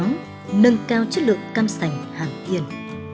nâng cao chất lượng cam sành hàm yên